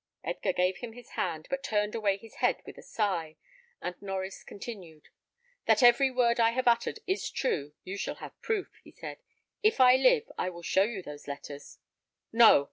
Edgar gave him his hand, but turned away his head with a sigh, and Norries continued. "That every word I have uttered is true, you shall have proof," he said. "If I live, I will show you those letters." "No!"